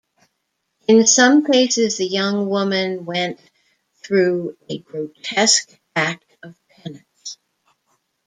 In some cases the young woman went through a grotesque act of penance.